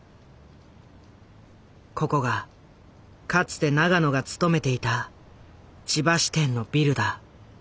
ここがかつて永野が勤めていた千葉支店のビルだ。